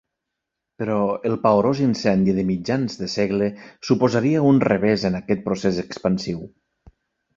Però el paorós incendi de mitjans de segle suposaria un revés en aquest procés expansiu.